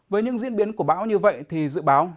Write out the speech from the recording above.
với những diễn biến của bão như vậy thì dự báo